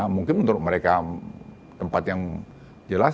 mungkin untuk mereka tempat yang jelas